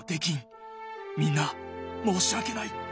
みんな申し訳ない！